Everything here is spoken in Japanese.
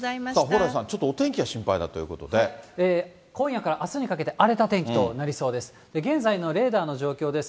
蓬莱さん、ちょっとお天気が今夜からあすにかけて荒れた天気となりそうです。